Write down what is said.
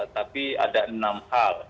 tapi ada enam hal